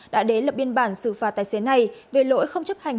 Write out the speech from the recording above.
đã đến lập biên bản xử phạt tài xế này về lỗi không chấp hành